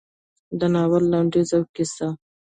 د ناول لنډیز او کیسه: